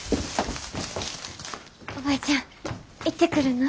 おばちゃん行ってくるな。